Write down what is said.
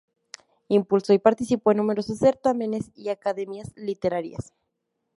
Impulsó y participó en numerosos certámenes y academias literarias.